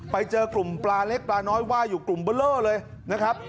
ไปเจอกลุ่มปลาเล็กปลาน้อยว่าอยู่กลุ่มเบอร์เลอร์เลยนะครับ